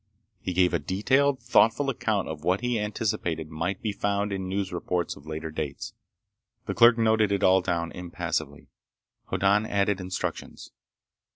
He gave a detailed, thoughtful account of what he anticipated might be found in news reports of later dates. The clerk noted it all down, impassively. Hoddan added instructions.